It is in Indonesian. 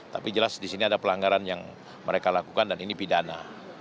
tapi jelas di sini ada pelanggaran yang mereka lakukan dan ini pidana